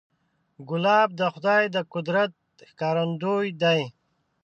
ګلاب د خدای د قدرت ښکارندوی دی.